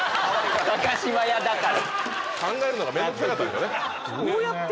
考えるのが面倒くさかったんでしょうね。